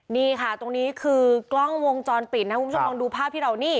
นี่ค่ะตรงนี้คือกล้องวงจรปิดนะคุณผู้ชมลองดูภาพที่เรานี่